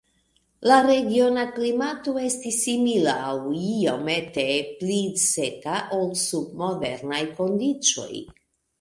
La regiona klimato estis simila aŭ iomete pli seka ol sub modernaj kondiĉoj.